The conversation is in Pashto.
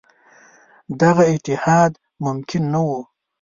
دغه اتحاد ممکن نه وو.